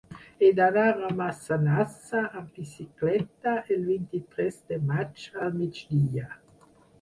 He d'anar a Massanassa amb bicicleta el vint-i-tres de maig al migdia.